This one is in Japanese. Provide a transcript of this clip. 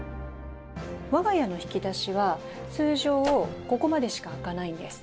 我が家の引き出しは通常ここまでしか開かないんです。